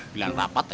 bilang rapat aja